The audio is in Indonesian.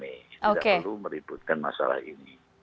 tidak perlu meributkan masalah ini